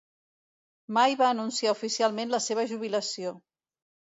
Mai va anunciar oficialment la seva jubilació.